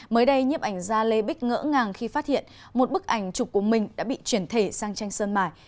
mới đây nhiếp ảnh gia lê bích ngỡ ngàng khi phát hiện một bức ảnh chụp của mình đã bị chuyển thể sang tranh sơn mài